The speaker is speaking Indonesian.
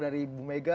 dari bu mega